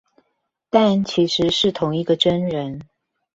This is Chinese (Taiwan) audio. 但其實是同一個真人